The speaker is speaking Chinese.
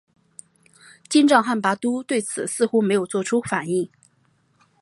金帐汗拔都对此似乎没有作出反应。